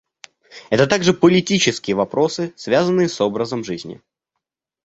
Это также политические вопросы, связанные с образом жизни.